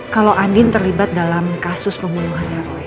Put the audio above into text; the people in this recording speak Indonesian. kalo andien terlibat dalam kasus pembunuhan darwih